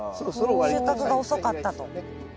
収穫が遅かったと。